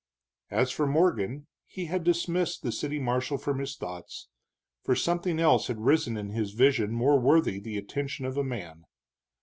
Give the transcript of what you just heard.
As for Morgan, he had dismissed the city marshal from his thoughts, for something else had risen in his vision more worthy the attention of a man.